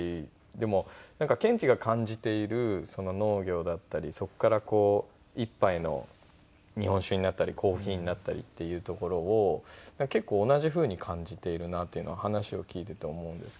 でもケンチが感じている農業だったりそこからこう一杯の日本酒になったりコーヒーになったりっていうところを結構同じふうに感じているなっていうのは話を聞いていて思うんですけど。